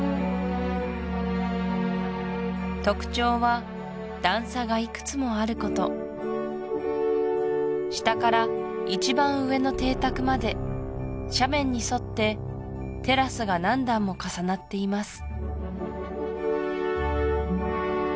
特徴は段差がいくつもあること下から一番上の邸宅まで斜面に沿ってテラスが何段も重なっています